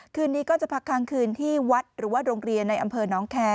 คืนนี้ก็จะพักค้างคืนที่วัดหรือว่าโรงเรียนในอำเภอน้องแคร์